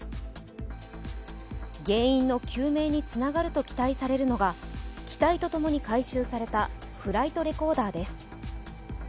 原因の究明につながると期待されるのが機体と共に回収されたフライトレコーダーです。